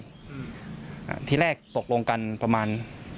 อ่าที่แรกตกลงกันประมาณ